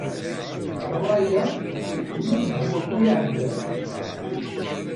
Rray-a, yella-d deg wayur iεeddan.